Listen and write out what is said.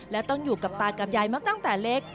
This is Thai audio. และต้องอยู่กับตากับยายมาตั้งแต่เล็ก